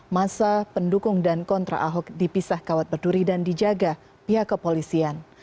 masa pendukung dan kontra ahok dipisah kawat berduri dan dijaga pihak kepolisian